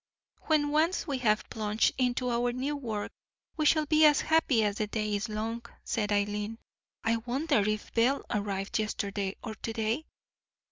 "When once we have plunged into our new work we shall be as happy as the day is long," said Eileen. "I wonder if Belle arrived yesterday or to day?"